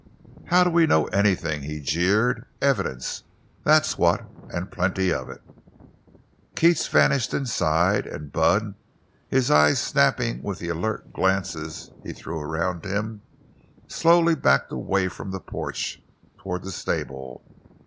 "How do we know anything?" he jeered. "Evidence—that's what—an' plenty of it!" Keats vanished inside, and Bud, his eyes snapping with the alert glances he threw around him, slowly backed away from the porch toward the stable.